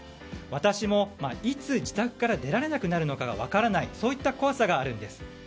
私もいつ自宅から出られなくなるかが分からない怖さがあるんです。